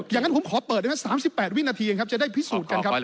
อย่างนั้นผมขอเปิดนะครับ๓๘วินาทีเองครับจะได้พิสูจน์กันครับ